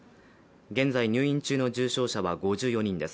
現在、入院中の重症者は５４人です。